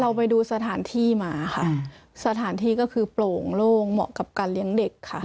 ไปดูสถานที่มาค่ะสถานที่ก็คือโปร่งโล่งเหมาะกับการเลี้ยงเด็กค่ะ